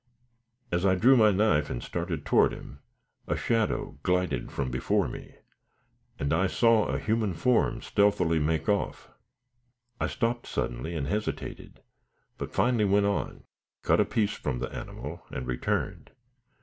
As I drew my knife, and started toward him, a shadow glided from before me, and I saw a human form stealthily make off. I stopped suddenly and hesitated, but finally went on, cut a piece from the animal, and returned.